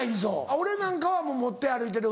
俺なんかは持って歩いてる